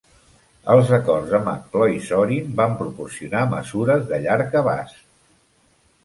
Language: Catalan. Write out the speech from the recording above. Els acords de McCloy-Zorin van proporcionar mesures de llarg abast.